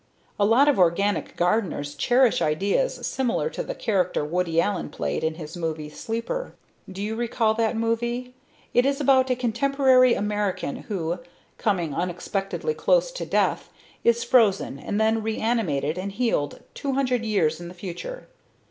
A lot of organic gardeners cherish ideas similar to the character Woody Allen played in his movie, Sleeper. Do you recall that movie? It is about a contemporary American who, coming unexpectedly close to death, is frozen and then reanimated and healed 200 years in the future.